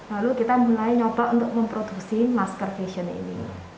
lalu kita mulai nyoba untuk memproduksi masker fashion ini